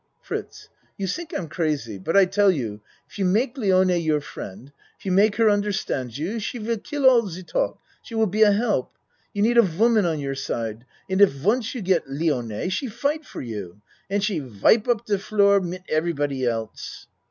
ACT II 69 FRITZ You tink I'm crazy but I tell you if you make Lione your friend if you make her under stand you she will kill all de talk she will be a help. You need a woman on your side, and if once you get Lione, she fight for you and she wipe up de floor mit everybody else.